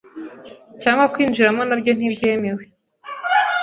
cyangwa kuwinjiramo na byo ntibyemewe.